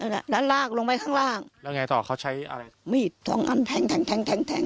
แล้วลากลงไปข้างล่างแล้วไงต่อเขาใช้อะไรมีดสองอันแทงแทงแทงแทงแทง